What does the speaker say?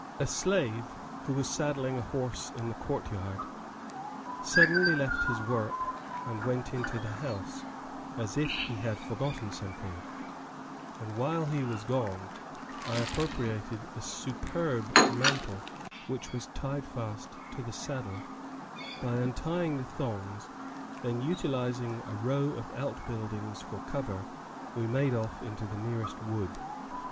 A slave, who was saddling a horse in the courtyard, suddenly left his work and went into the house, as if he had forgotten something, and while he was gone I appropriated a superb mantle which was tied fast to the saddle, by untying the thongs, then, utilizing a row of outbuildings for cover, we made off into the nearest wood.